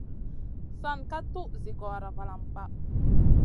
San ka tuʼ zi gora valam pa.